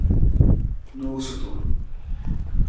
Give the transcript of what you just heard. Noosutu.